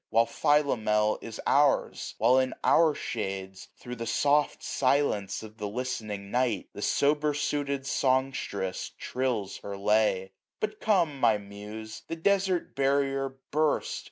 While Philomel is ours ; while in our shades. Thro' the soft silence of the listening night, 745 The sober suited songstress trills her lay. But come, my Muse, the desart barrier burst